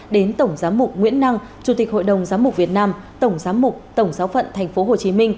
đến tổng giám mục nguyễn năng chủ tịch hội đồng giám mục việt nam tổng giám mục tổng giáo phận tp hcm